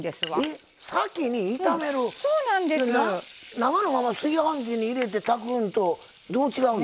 生のまま炊飯器に入れて炊くのとどう違うんですか？